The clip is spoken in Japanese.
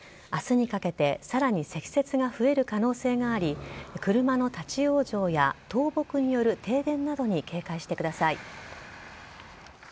明日にかけてさらに積雪が増える可能性があり車の立ち往生や倒木による停電などに警戒してください。